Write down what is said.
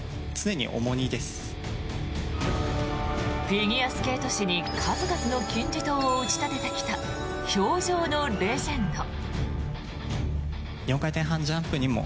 フィギュアスケート史に数々の金字塔を打ち立ててきた氷上のレジェンド。